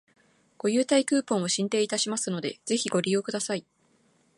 ご優待クーポンを進呈いたしますので、ぜひご利用ください